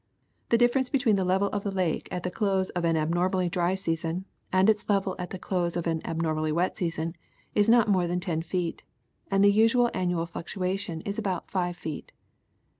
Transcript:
The difference between the level of the lake at the close of an abnormally dry season and its level at the close of an abnormally wet season is not more than ten feet, and the usual annual fluctu ation is about five feet.